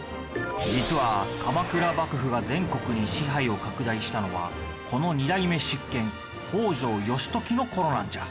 実は鎌倉幕府が全国に支配を拡大したのはこの２代目執権北条義時の頃なんじゃ。